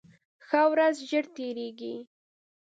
ښه ورځ ژر تېرېږي